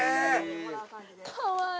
かわいい。